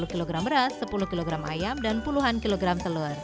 dua puluh kg beras sepuluh kg ayam dan puluhan kilogram telur